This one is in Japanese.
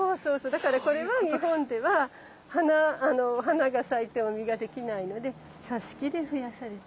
だからこれは日本では花が咲いても実ができないので挿し木で増やされた。